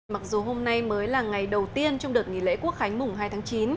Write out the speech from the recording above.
mặc dù hôm nay mới là ngày đầu tiên trong đợt nghỉ lễ quốc khánh mùng hai tháng chín